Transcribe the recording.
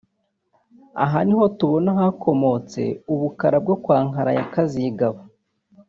Aha niho tubona hakomotse ubukara bwo kwa Nkara ya Kazigaba